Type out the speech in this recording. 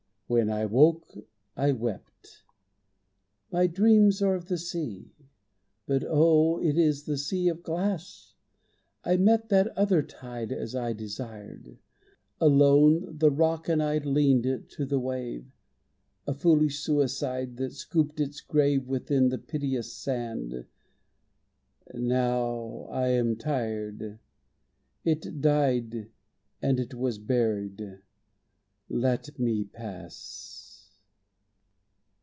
When I woke, I wept. My dreams are of the Sea. But oh, it is the Sea of Glass! I met that other tide as I desired. Alone, the rock and I leaned to the wave, A foolish suicide, that scooped its grave Within the piteous sand. Now I am tired. It died and it was buried. Let me pass.